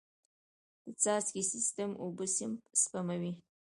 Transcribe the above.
د څاڅکي سیستم اوبه سپموي.